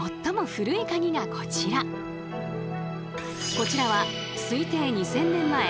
こちらは推定２，０００年前